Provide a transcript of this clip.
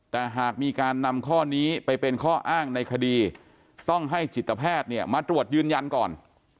แต่หากมีการนำข้อนี้ไปเป็นข้ออ้างในคดีต้องให้จิตแพทย์เนี่ยมาตรวจยืนยันก่อน